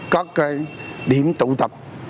có cái điểm tụ tập